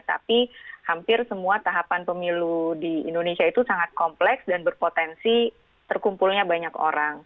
tapi hampir semua tahapan pemilu di indonesia itu sangat kompleks dan berpotensi terkumpulnya banyak orang